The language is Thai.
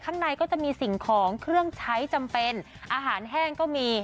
ข้างในก็จะมีสิ่งของเครื่องใช้จำเป็นอาหารแห้งก็มี